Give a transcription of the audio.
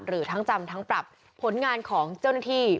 หรือทั้งจำทั้งปรับผลงานของเจ้าหน้าที่